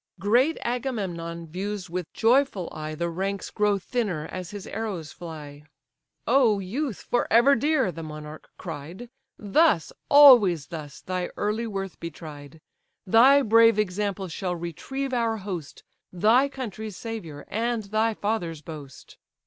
Great Agamemnon views with joyful eye The ranks grow thinner as his arrows fly: "O youth forever dear! (the monarch cried) Thus, always thus, thy early worth be tried; Thy brave example shall retrieve our host, Thy country's saviour, and thy father's boast!